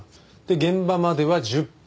現場までは１０分。